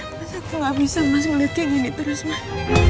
mas aku gak bisa mas melihat kayak gini terus mas